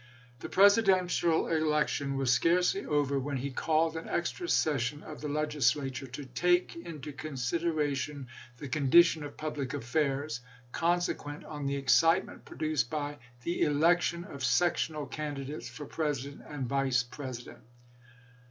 The Presidential election was scarcely over when he called an extra session of the Legislature, to " take into consideration the condition of public affairs " consequent on the excitement Governor produced by " the election of sectional candi Proeiama dates for President and Vice President."